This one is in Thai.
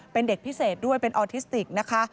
เป็นเด็กพิเศษด้วยเป็นออทิสติกนะคะ